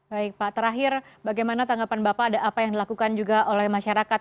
baik pak terakhir bagaimana tanggapan bapak ada apa yang dilakukan juga oleh masyarakat